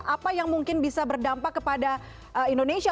apa yang mungkin bisa berdampak kepada indonesia